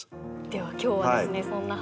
では今日はですね